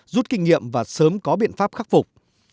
rút kinh nghiệm và sớm có biện pháp khắc phục